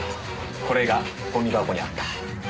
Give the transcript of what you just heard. これがゴミ箱にあった。